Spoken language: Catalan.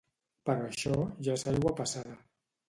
Però això ja és aigua passada.